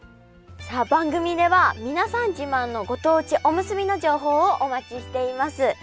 さあ番組では皆さん自慢のご当地おむすびの情報をお待ちしています。